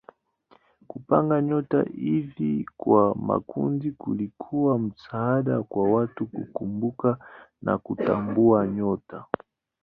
Kupanga nyota hivi kwa makundi kulikuwa msaada kwa watu kukumbuka na kutambua nyota.